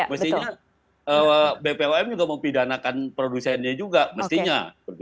mestinya bpom juga mempidanakan produsennya juga mestinya